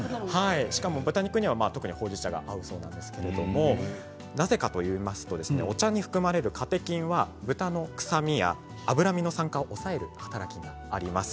豚肉には特にほうじ茶が合うそうですがなぜかといいますとお茶に含まれるカテキンは豚の臭みや脂身の酸化を抑える働きがあります。